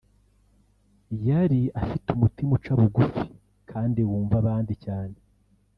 yari afite umutima uca bugufi kandi wumva abandi cyane